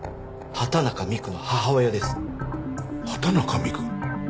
畑中美玖。